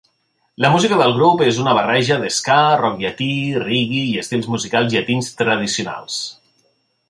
La música del grup és una barreja d'ska, rock llatí, reggae i estils musicals llatins tradicionals.